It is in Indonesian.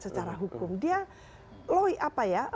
secara hukum dia